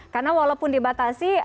karena walaupun dibatasi